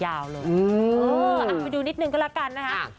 ไปดูนิดนึงก็แล้วกันนะคะ